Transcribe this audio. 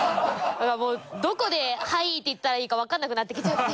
何かもうどこで「はい」って言ったらいいか分からなくなってきちゃって。